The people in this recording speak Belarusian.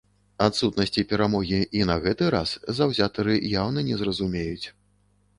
Адсутнасці перамогі і на гэты раз заўзятары яўна не зразумеюць.